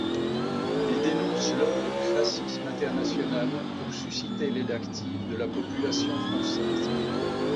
Ils dénoncent l'œuvre du fascisme international pour susciter l'aide active de la population française.